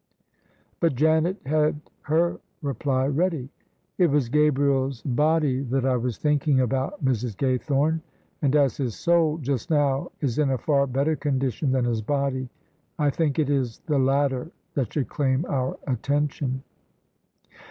But Janet had her reply ready. " It was Gabriers body that I was thinking about, Mrs. Gaythorne ; and as his soul just now is in a far better condition than his body, I think it is the latter that should claim our attention."